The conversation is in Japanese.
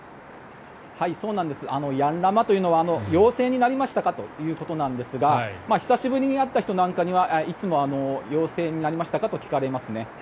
ヤンラマというのは陽性になりましたか？ということなんですが久しぶりに会った人なんかにはいつも陽性になりましたか？と聞かれますね。